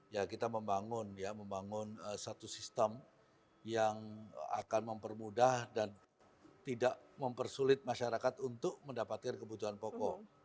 ya kita membangun ya membangun satu sistem yang akan mempermudah dan tidak mempersulit masyarakat untuk mendapatkan kebutuhan pokok